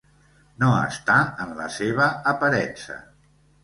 No està en la seva aparença.